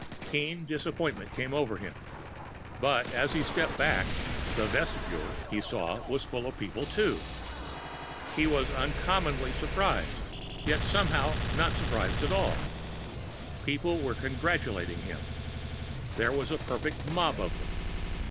Keen disappointment came over him. But, as he stepped back, the vestibule, he saw, was full of people too. He was uncommonly surprised, yet somehow not surprised at all. People were congratulating him. There was a perfect mob of them.